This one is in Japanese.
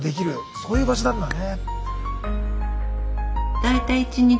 そういう場所なんだね。